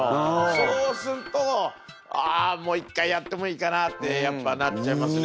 そうすると「あもう一回やってもいいかな」ってやっぱなっちゃいますね。